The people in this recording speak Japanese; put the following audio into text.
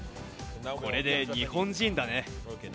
これで日本人だね。